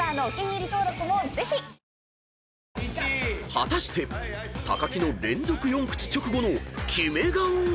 ［果たして木の連続４口直後のキメ顔は⁉］